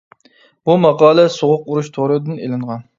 -بۇ ماقالە «سوغۇق ئۇرۇش تورى» دىن ئېلىنغان.